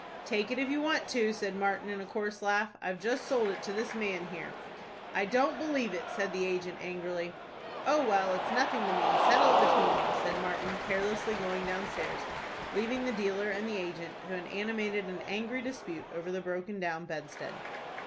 "Take it, if you want to," said Martin, in a coarse laugh. "I've just sold it to this man here." "I don't believe it," said the agent, angrily. "Oh, well, it's nothing to me. Settle it between you," said Martin, carelessly, going downstairs, leaving the dealer and the agent to an animated and angry dispute over the broken down bedstead.